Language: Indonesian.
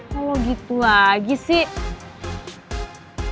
kalau gitu lagi sih